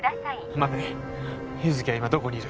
待て優月は今どこにいる？